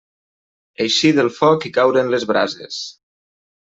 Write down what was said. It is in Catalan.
Eixir del foc i caure en les brases.